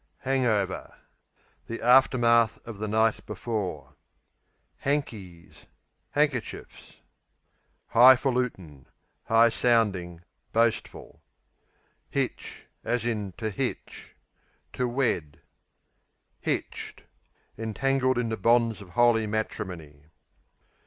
Hang over The aftermath of the night before. Hankies Handkerchiefs. High falutin' High sounding; boastful. Hitch, to To wed. Hitched Entangled in the bonds of holy matrimony.